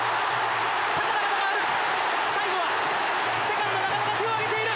高々と上がる、最後は、セカンド、中野が手を挙げている。